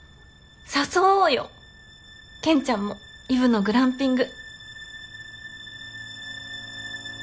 誘おうよけんちゃんもイブのグランピング。